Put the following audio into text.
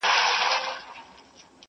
ورور هم فشار للاندي دی او خپل عمل پټوي.